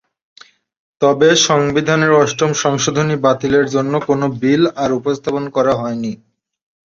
তবে সংবিধানের অষ্টম সংশোধনী বাতিলের জন্য কোনও বিল আর উপস্থাপন করা হয়নি।